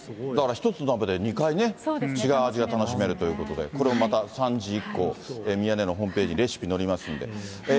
だから１つの鍋で２回ね、違う味が楽しめるということで、これもまた３時以降、宮根のホームページにレシピ載りますんで。